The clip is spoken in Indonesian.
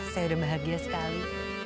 saya udah bahagia sekali